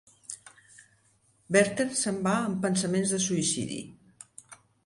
Werther se'n va amb pensaments de suïcidi.